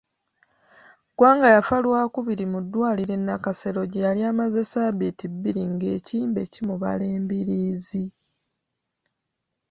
Gwanga yafa Lwakubiri mu ddwaliro e Nakasero gye yali amaze ssabbiiti bbiri ng'ekimbe kimubala embiriizi.